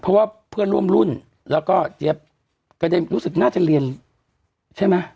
เพราะว่าเพื่อนร่วมรุ่นแล้วก็เจี๊ยบก็ได้รู้สึกน่าจะเรียนใช่ไหม